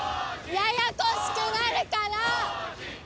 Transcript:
ややこしくなるから！